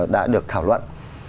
đã được thảo luận